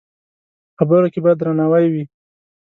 خبرو کې باید درناوی وي